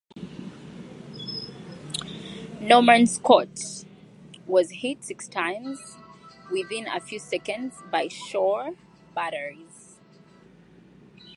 "Norman Scott" was hit six times within a few seconds by shore batteries.